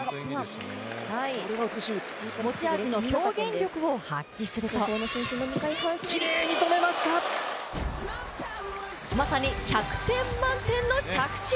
持ち味の表現力を発揮するとまさに１００点満点の着地。